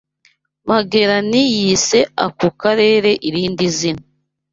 Magelani yise ako karere irindi zina